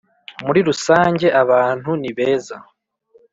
Muri rusange abantu ni beza